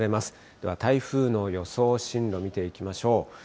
では台風の予想進路見ていきましょう。